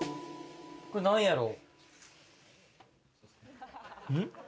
これ何やろ？